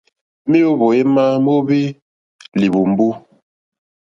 Méǒhwò émá méóhwí líhwùmbú.